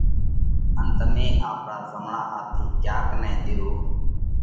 ان تمي آپرا زمڻا هاٿ ٿِي ڪياڪ نئہ ۮيوه